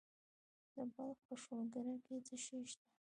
د بلخ په شولګره کې څه شی شته؟